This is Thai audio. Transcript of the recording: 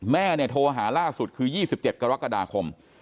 แม่เนี่ยโทรหาล่าสุดคือ๒๗กรกฎาคม